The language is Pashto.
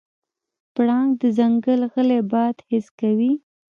پړانګ د ځنګل غلی باد حس کوي.